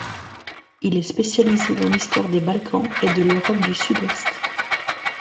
Il est spécialisé dans l'histoire des Balkans et de l'Europe du Sud-Est.